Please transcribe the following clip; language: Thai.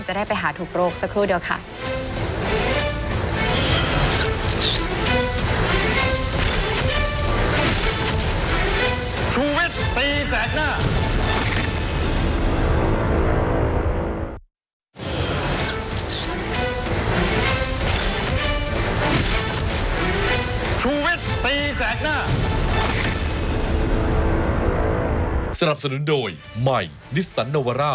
จะได้ไปหาถูกโรคสักครู่เดียวค่ะ